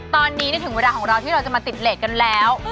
ตอนนี้ถึงเวลาของเราที่เราจะมาติดเลสกันแล้ว